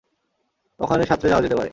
ওখানে সাঁতরে যাওয়া যেতে পারে।